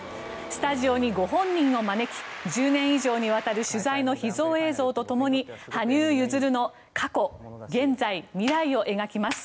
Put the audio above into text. スタジオにご本人を招き１０年以上にわたる取材の秘蔵映像とともに羽生結弦の過去、現在、未来を描きます。